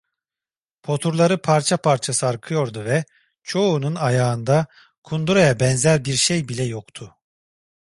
Poturları parça parça sarkıyordu ve çoğunun ayağında kunduraya benzer bir şey bile yoktu.